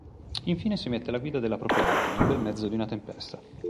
Infine si mette alla guida della propria auto, nel bel mezzo di una tempesta.